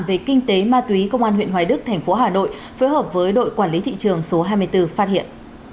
về kinh tế ma túy công an huyện hoài đức thành phố hà nội phối hợp với đội quản lý thị trường số hai mươi bốn phát hiện